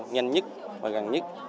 nhanh nhất và gần nhất